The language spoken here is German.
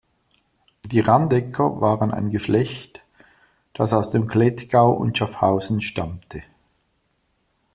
Die Randecker waren ein Geschlecht das aus dem Klettgau und Schaffhausen stammte.